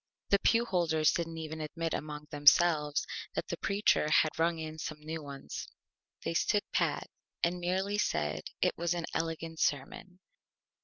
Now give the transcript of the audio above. The Pew Holders didn't even admit among themselves that the Preacher had rung in some New Ones. They stood Pat, and merely said it was an Elegant Sermon.